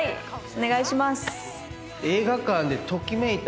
お願いします。